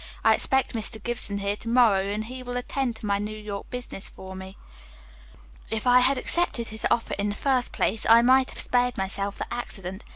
I expect Mr. Gibson here to morrow and he will attend to my New York business for me. If I had accepted his offer in the first place, I might have spared myself this accident.